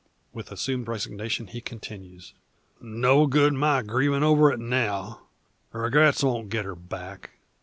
With assumed resignation, he continues: "No good my grieving over it now. Regrets won't get her back.